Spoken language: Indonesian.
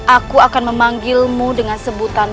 aku akan memanggilmu dengan sebutan